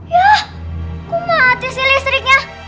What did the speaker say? ya kok mati sih listriknya